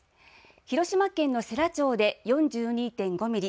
広島県の世羅町で４２．５ミリ